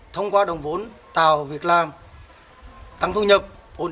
thông qua đồng vốn tạo việc làm tăng thu nhập